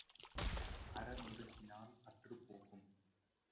அற முறுக்கினால் அற்றுப் போகும்.